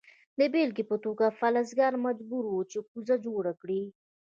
د بیلګې په توګه فلزکار مجبور و چې کوزه جوړه کړي.